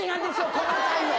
細かいの。